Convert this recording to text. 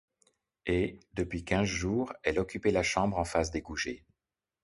Et, depuis quinze jours, elle occupait la chambre en face des Goujet.